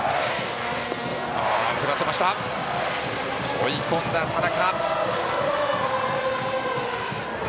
追い込んだ、田中。